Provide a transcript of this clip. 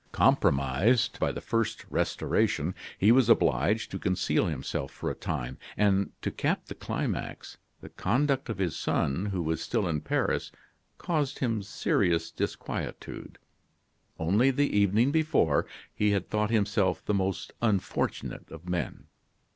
Compromised by the first Restoration, he was obliged to conceal himself for a time; and to cap the climax, the conduct of his son, who was still in Paris, caused him serious disquietude. Only the evening before, he had thought himself the most unfortunate of men.